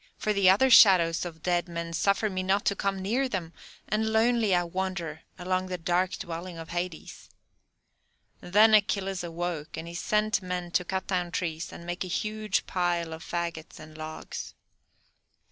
for the other shadows of dead men suffer me not to come near them, and lonely I wander along the dark dwelling of Hades." Then Achilles awoke, and he sent men to cut down trees, and make a huge pile of fagots and logs.